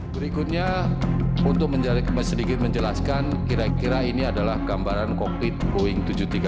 berikutnya untuk sedikit menjelaskan kira kira ini adalah gambaran kokpit boeing tujuh ratus tiga puluh